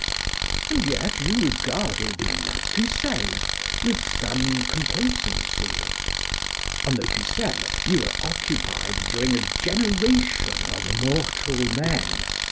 And yet you regarded 'La Pucellé with some complacency. On the 'Pucellé you were occupied during a generation of mortal men.